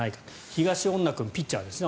東恩納君、ピッチャーですね。